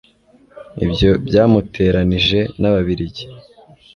ibyo byamuteranije n'ababiligi